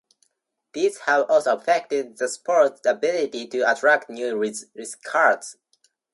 These have also affected the sport's ability to attract new recruits.